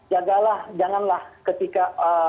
jagalah janganlah ketika